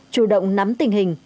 chủ động nắm tình hình